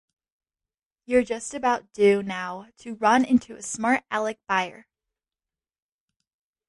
You're just about due now to run into a smart-Alec buyer.